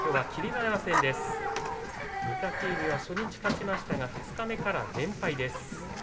馬山戦で御嶽海は初日勝ちましたが二日目からは連敗です。